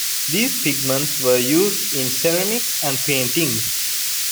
These pigments were used in ceramics and painting.